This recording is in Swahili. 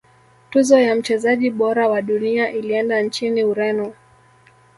tuzo ya mchezaji bora wa dunia ilienda nchini ureno